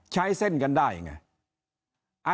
ใช้เส้นกันได้ไง